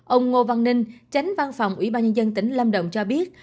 ông ngô văn ninh tránh văn phòng ủy ban nhân dân tỉnh lâm đồng cho biết